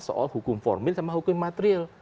soal hukum formil sama hukum materil